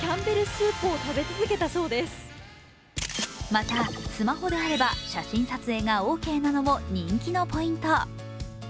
また、スマホであれば、写真撮影がオーケーなのも人気のポイント。